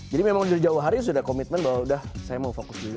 jadi memang dari jawa hari sudah ada komitmen bahwa udah saya mau fokus dulu